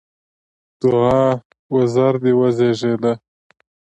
دوعا: وزر دې وزېږده!